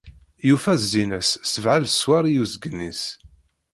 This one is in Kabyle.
Yufa zzin-as sebεa leswar i usgen-is.